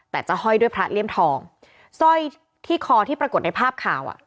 แต่จะห้อยด้วยพระเลี่ยมทองสร้อยที่คอที่ปรากฏในภาพข่าวอ่ะ